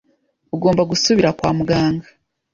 ugomba gusubira kwa muganga